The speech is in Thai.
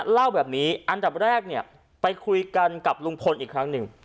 เล่าแบบนี้อันดับแรกเนี่ยไปคุยกันกับลุงพลอีกครั้งหนึ่ง